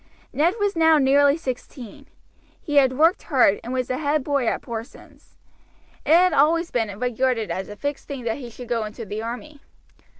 Ned was now nearly sixteen. He had worked hard, and was the head boy at Porson's. It had always been regarded as a fixed thing that he should go into the army.